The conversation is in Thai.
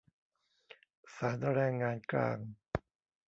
ศาลแรงงานกลาง